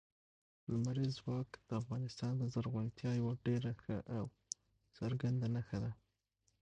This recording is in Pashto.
لمریز ځواک د افغانستان د زرغونتیا یوه ډېره ښه او څرګنده نښه ده.